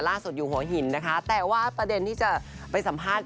ล่าสุดอยู่หัวหินนะคะแต่ว่าประเด็นที่จะไปสัมภาษณ์